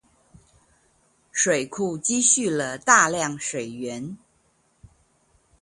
水庫蓄積了大量水源